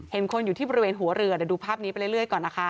เห็นคนอยู่ที่บริเวณหัวเรือเดี๋ยวดูภาพนี้ไปเรื่อยก่อนนะคะ